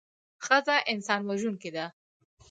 ښځه انسان وژوونکې نده